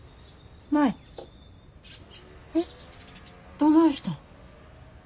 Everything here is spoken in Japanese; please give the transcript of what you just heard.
どないしたん。